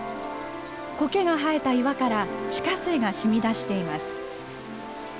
コケが生えた岩から地下水がしみ出しています。